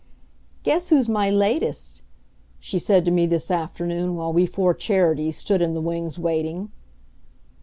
"Guess who's my latest," she said to me this afternoon, while we four Charities stood in the wings waiting.